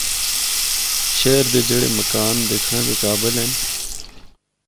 شہر دے جڑے مکان دکھنڑا دے قابل ہن۔